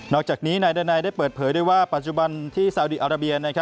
อกจากนี้นายดานัยได้เปิดเผยด้วยว่าปัจจุบันที่ซาวดีอาราเบีย